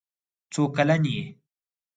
څو کلن یې؟